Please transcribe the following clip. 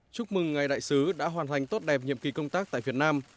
chúc mừng ngài đại sứ đã hoàn thành tốt đẹp nhiệm kỳ công tác tại việt nam